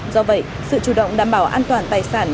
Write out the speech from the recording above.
do vậy sự chủ động đảm bảo an toàn tài sản